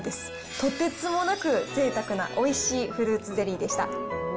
とてつもなくぜいたくなおいしいフルーツゼリーでした。